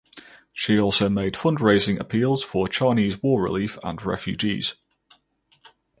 She also made fundraising appeals for Chinese war relief and refugees.